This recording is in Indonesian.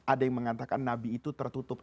ada yang mengatakan nabi itu tertutup